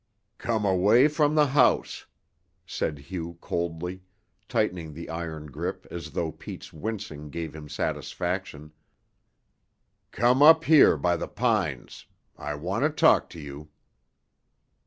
"Come away from the house," said Hugh coldly, tightening the iron grip as though Pete's wincing gave him satisfaction. "Come up here by the pines. I want to talk to you."